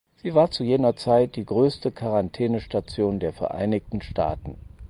Sie war zu jener Zeit die größte Quarantänestation der Vereinigten Staaten.